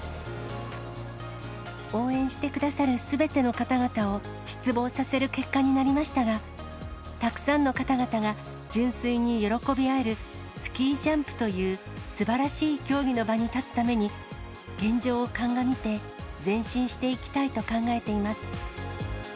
応援してくださるすべての方々を失望させる結果になりましたが、たくさんの方々が純粋に喜び合える、スキージャンプというすばらしい競技の場に立つために、現状を鑑みて前進していきたいと考えています。